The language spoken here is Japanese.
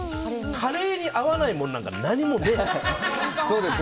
カレーに合わないものなんか何もないから。